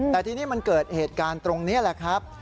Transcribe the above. แต่ทีนี้มันเกิดเหตุการณ์ตรงนี้แหละครับ